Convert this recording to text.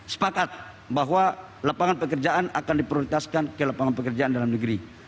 sepakat bahwa lapangan pekerjaan akan diprioritaskan ke lapangan pekerjaan dalam negeri